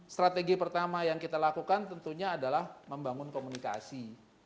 strategi pertama yang kita lakukan tentunya adalah membangun komunikasi